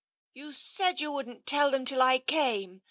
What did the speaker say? " You said you wouldn't tell them till I came.